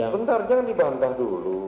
bentar jangan dibantah dulu